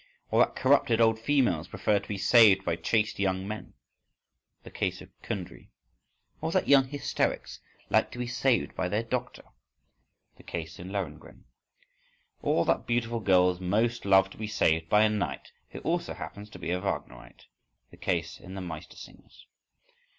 Or that corrupted old females prefer to be saved by chaste young men? (the case of Kundry). Or that young hysterics like to be saved by their doctor? (the case in "Lohengrin"). Or that beautiful girls most love to be saved by a knight who also happens to be a Wagnerite? (the case in the "Mastersingers").